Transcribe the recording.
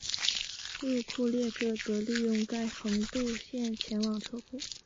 入库列车则利用该横渡线前往车库。